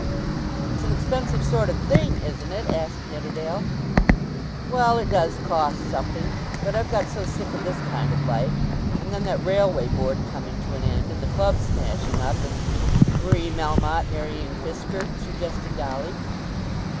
"It's an expensive sort of thing; isn't it?" asked Nidderdale. "Well; it does cost something. But I've got so sick of this kind of life; and then that railway Board coming to an end, and the club smashing up, and " "Marie Melmotte marrying Fisker," suggested Dolly.